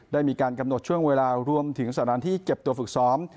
ได้มีการกำหนดช่วงเวลารวมถึงสถานที่เก็บตัวฝึกซ้อม